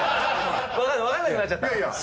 分かんなくなっちゃった。